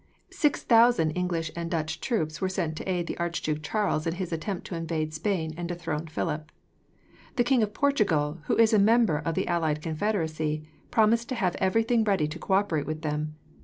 Six thousand English and Dutch troops were sent to aid the Archduke Charles in his attempt to invade Spain and dethrone Philip. The King of Portugal, who is a member of the allied confederacy, promised to have everything ready to cooperate with them.